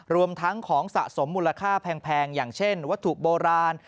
รวมทั้งของสะสมมูลค่าแพงอย่างเช่นวัตถุโบราณ